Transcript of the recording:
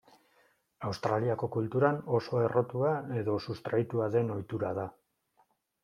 Australiako kulturan oso errotua edo sustraitua den ohitura da.